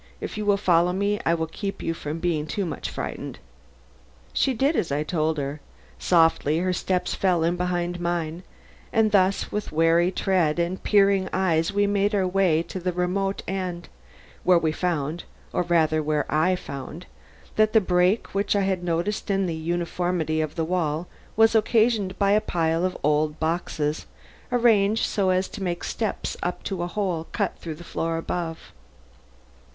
"If you will follow me I will keep you from being too much frightened." She did as I told her. Softly her steps fell in behind mine; and thus with wary tread and peering eyes we made our way to the remote end, where we found or rather where I found that the break which I had noticed in the uniformity of the wall was occasioned by a pile of old boxes, arranged so as to make steps up to a hole cut through the floor above.